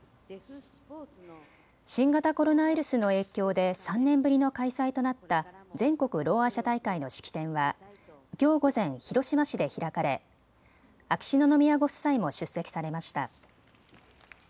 新型コロナウイルスの影響で３年ぶりの開催となった全国ろうあ者大会の式典はきょう午前、広島市で開かれ秋篠宮ご夫妻も出席されました。